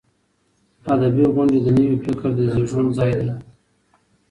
ادبي غونډې د نوي فکر د زیږون ځای دی.